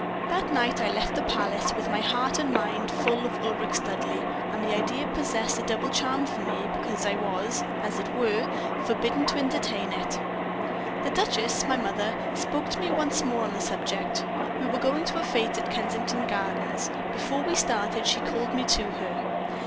"That night I left the palace, with my heart and mind full of Ulric Studleigh, and the idea possessed a double charm for me because I was, as it were, forbidden to entertain it. The duchess, my mother spoke to me once more on the subject. We were going to a fete at Kensington Gardens. Before we started she called me to her.